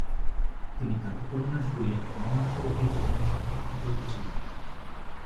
তিনি তাঁর উপন্যাসগুলির মঞ্চ অভিযোজনের সঙ্গে জড়িত ছিলেন।